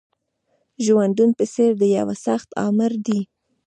ژوندون په څېر د یوه سخت آمر دی